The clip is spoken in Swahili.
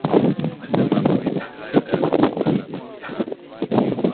amesema mawimbi hayo yatatokana na tsunami